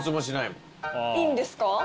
いいんですか？